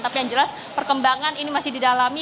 tapi yang jelas perkembangan ini masih didalami